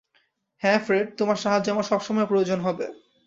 হ্যাঁ ফ্রেড, তোমার সাহায্য আমার সবসময় প্রয়োজন হবে।